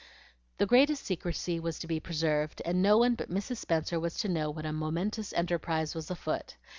The greatest secrecy was to be preserved, and no one but Mrs. Spenser was to know what a momentous enterprise was afoot.